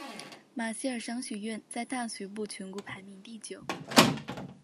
马歇尔商学院在大学部全国排名第九。